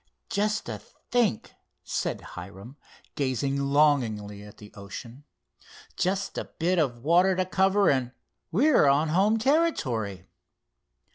"Just to think," said Hiram, gazing longingly at the ocean—"just a bit of water to cover, and we are on home territory."